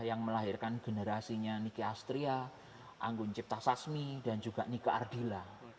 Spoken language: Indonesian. yang melahirkan generasinya niki astria anggun cipta sasmi dan juga nike ardila